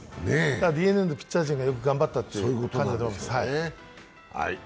ＤｅＮＡのピッチャー陣がよく頑張ったっていう感じです。